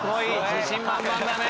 自信満々だね。